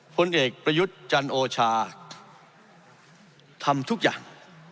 ผลเอกประยุทธ์จันโอชาทำทุกอย่าง